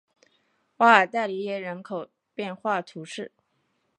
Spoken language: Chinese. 瓦尔代里耶人口变化图示